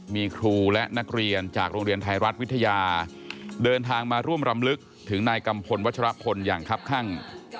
มีครูและนักเรียนจากโรงเรียนไทยรัฐวิทยาเดินทางมาร่วมรำลึกถึงนายกัมพลวัชรพลอย่างครับข้าง